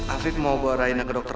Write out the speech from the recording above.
afid mau bawa raine ke dokter